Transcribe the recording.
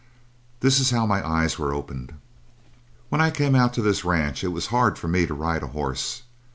_ "This is how my eyes were opened. "When I came out to this ranch it was hard for me to ride a horse.